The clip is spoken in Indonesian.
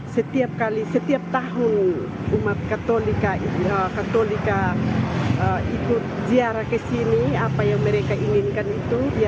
cerita ke cerita akhirnya hari ini saya bisa ke flores dan saya bersyukur